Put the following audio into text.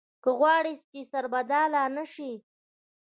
که غواړې چې سربډاله نه شې.